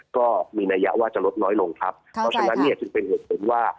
ก็มีนัยยะว่าจะลดน้อยลงครับเพราะฉะนั้นเนี่ยจึงเป็นเหตุผลว่า